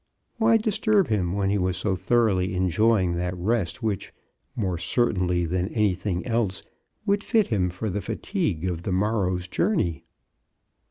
Why disturb him when he was so thoroughly enjoying that rest which, more certainly than anything else, would fit him for the fatigue of the morrow's journey?